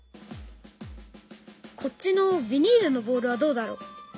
こっちのビニールのボールはどうだろう？